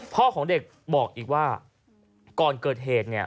พ่อของเด็กบอกอีกว่าก่อนเกิดเหตุเนี่ย